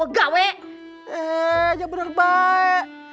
eh benar benar baik